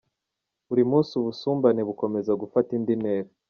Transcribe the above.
Buri munsi ubusumbane bukomeza gufata indi ntera .